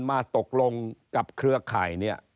มาตกลงกับเครือข่ายเนี่ย